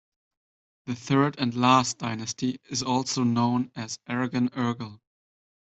The third and last dynasty is also known as Aragon-Urgell.